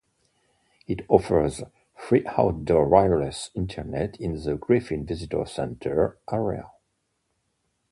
It offers free outdoor wireless internet in the Griffin Visitor Center area.